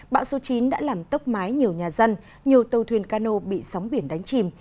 bão số chín đã làm tốc mái nhiều nhà dân nhiều tàu thuyền cano bị sóng biển đánh chìm